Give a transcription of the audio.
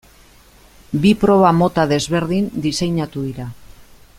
Bi proba mota desberdin diseinatu dira.